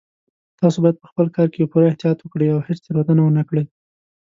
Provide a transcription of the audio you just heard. تاسو باید په خپل کار کې پوره احتیاط وکړئ او هیڅ تېروتنه ونه کړئ